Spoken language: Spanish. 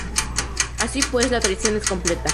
Así pues, la traición es completa.